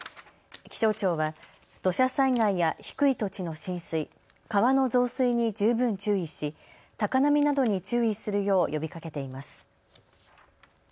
気象庁は土砂災害や低い土地の浸水、川の増水に十分注意し高波などに注意するよう呼びかけています。